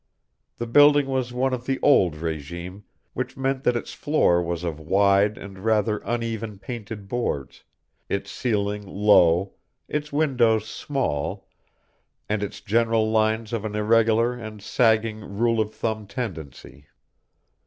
The building was one of the old régime, which meant that its floor was of wide and rather uneven painted boards, its ceiling low, its windows small, and its general lines of an irregular and sagging rule of thumb tendency.